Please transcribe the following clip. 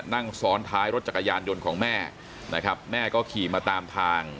นั่งซ้อนท้ายรถจักรยานยนต์ของแม่นะครับแม่ก็ขี่มาตามทาง